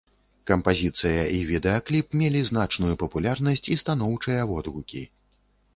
Кампазіцыя і відэакліп мелі значную папулярнасць і станоўчыя водгукі.